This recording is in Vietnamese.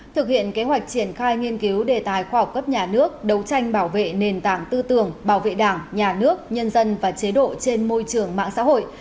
thực hiện kế hoạch triển khai nghiên cứu đề tài khoa học cấp nhà nước đấu tranh bảo vệ nền tảng tư tưởng bảo vệ đảng nhà nước nhân dân và chế độ trên môi trường mạng xã hội